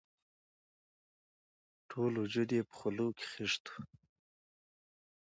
ټول وجود یې په خولو کې خیشت وو.